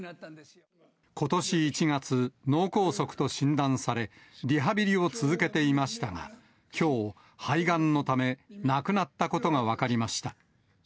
ことし１月、脳梗塞と診断され、リハビリを続けていましたが、きょう、肺がんのため亡くなったことが分かりました。